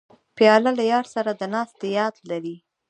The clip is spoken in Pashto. پیاله له یار سره د ناستې یاد لري.